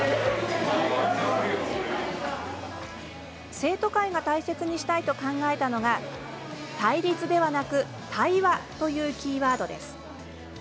生徒会が大切にしたいと考えたのが「対立ではなく対話」というキーワードです。